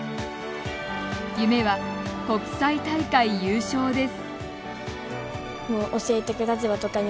夢は国際大会優勝です。